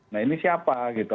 nah ini siapa gitu